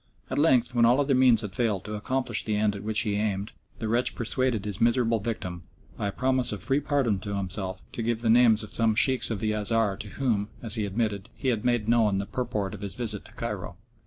At length, when all other means had failed to accomplish the end at which he aimed, the wretch persuaded his miserable victim, by a promise of free pardon to himself, to give the names of some Sheikhs of the Azhar to whom, as he admitted, he had made known the purport of his visit to Cairo.